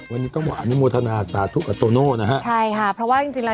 วันนี้ต้องบอกอนุโมทนาสาธุกับโตโน่นะฮะใช่ค่ะเพราะว่าจริงจริงแล้ว